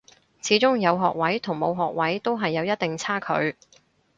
始終有學位同冇學位都係有一定差距